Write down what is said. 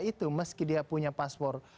itu meski dia punya paspor